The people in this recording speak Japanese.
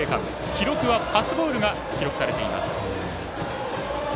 記録はパスボールが記録されています。